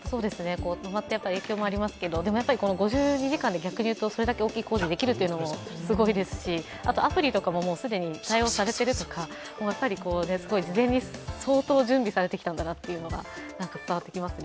影響もありますけど５２時間で逆にそれだけ大きい工事ができるのもすごいですし、アプリとかももう既に対応されているとか事前に相当、準備されてきたんだなっていうのは伝わってきますね。